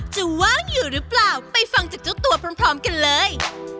ว่างอยู่หรือเปล่าไปฟังจากเจ้าตัวพร้อมกันเลย